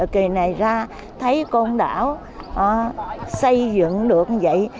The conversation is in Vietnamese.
kỳ này ra thấy côn đảo xây dựng được như vậy